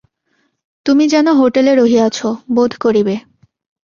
তুমি যেন হোটেলে রহিয়াছ, বোধ করিবে।